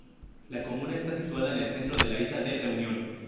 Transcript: La comuna está situada en el centro de la isla de Reunión.